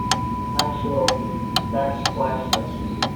I'm sure of it — that's quite sufficient.